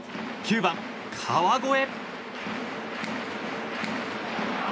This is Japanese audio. ９番、川越。